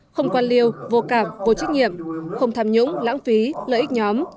không quan liêu vô cảm vô trách nhiệm không tham nhũng lãng phí lợi ích nhóm